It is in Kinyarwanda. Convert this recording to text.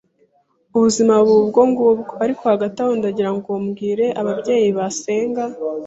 ubusima buba ubwongubwo ariko hagati aho ndagirango mbwire ababyeyi basenga